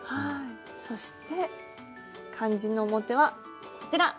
そして肝心の表はこちら。